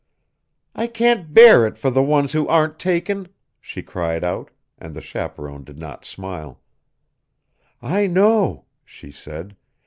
"I can't bear it for the ones who aren't taken," she cried out, and the chaperon did not smile. "I know," she said.